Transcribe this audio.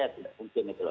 tidak mungkin itu loh